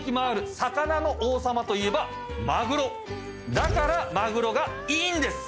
だからマグロがいいんです！